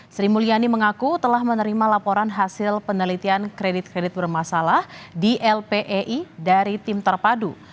sri mulyani mengaku telah menerima laporan hasil penelitian kredit kredit bermasalah di lpei dari tim terpadu